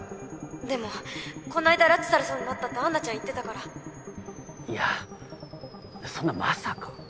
でもこの間拉致されそうになったアンナちゃん言ってたからいやそんなまさか。